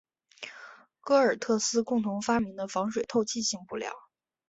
戈尔特斯共同发明的防水透气性布料。